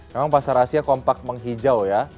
memang pasar asia kompak menghijau ya